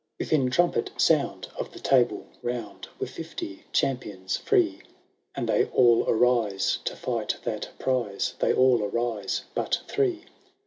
XVII. ^ Witiiin trumpet sound of the Table Round Were fifty champions free. And they all arise to fight that prize« » They all arise, but three.